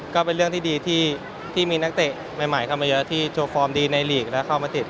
ก็เป็นเรื่องที่ดีที่มีนักเตะใหม่เข้ามาเยอะที่โชว์ฟอร์มดีในลีกและเข้ามาติด